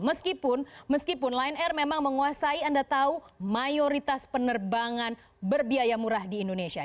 meskipun meskipun lion air memang menguasai anda tahu mayoritas penerbangan berbiaya murah di indonesia